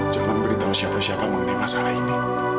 jangan beritahu siapa siapa mengenai masalah ini